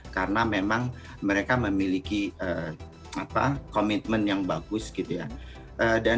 karena memang mereka memiliki komitmen yang bagus gitu ya